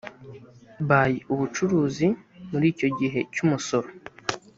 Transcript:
by ubucuruzi muri icyo gihe cy umusoro